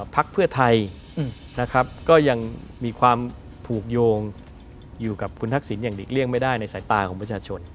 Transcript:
พักเพื่อไทยนะครับก็ยังมีความผูกโยงอยู่กับคุณทักษิณอย่างหลีกเลี่ยงไม่ได้ในสายตาของประชาชน